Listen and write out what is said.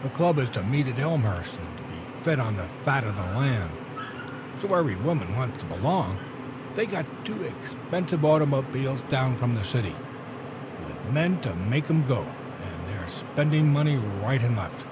The club is to meet at Elmhurst and to be fed on the fat of the land; so every woman wants to belong. They've got two expensive automobiles down from the city, with men to make them go, and they're spending money right and left."